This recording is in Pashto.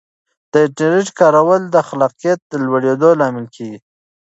د انټرنیټ کارول د خلاقیت د لوړېدو لامل کیږي.